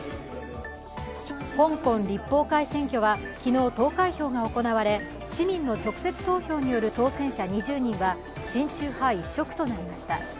香港立法会選挙は、昨日、投開票が行われ市民の直接投票による当選者２０人は親中派一色となりました。